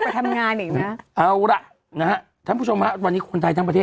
ไปทำงานอีกนะเอาล่ะนะฮะท่านผู้ชมฮะวันนี้คนไทยทั้งประเทศ